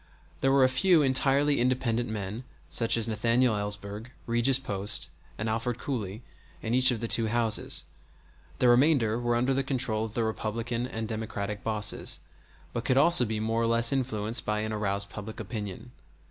There were a few entirely independent men such as Nathaniel Elsberg, Regis Post, and Alford Cooley, in each of the two houses; the remainder were under the control of the Republican and Democratic bosses, but could also be more or less influenced by an aroused public opinion.